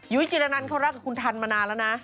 จิรนันเขารักกับคุณทันมานานแล้วนะ